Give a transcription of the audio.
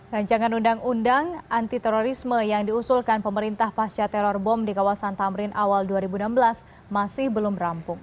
rancangan undang undang anti terorisme yang diusulkan pemerintah pasca teror bom di kawasan tamrin awal dua ribu enam belas masih belum rampung